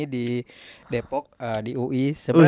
di depok di ui